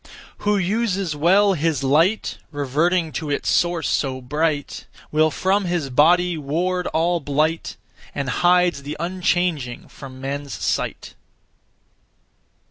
Who uses well his light, Reverting to its (source so) bright, Will from his body ward all blight, And hides the unchanging from men's sight.